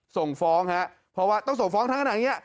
ส่งฟ้องฮะเพราะว่าต้องส่งฟ้องทั้งขนาดนี้